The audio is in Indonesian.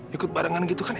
ikut barengan gitu kan